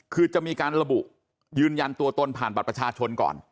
คือจะมีการระบุยืนยันตัวตนผ่านบัตรประชาชนก่อน